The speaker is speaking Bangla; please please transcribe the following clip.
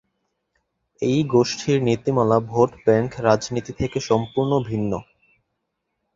এই গোষ্ঠীর নীতিমালা ভোট ব্যাংক রাজনীতি থেকে সম্পূর্ণ ভিন্ন।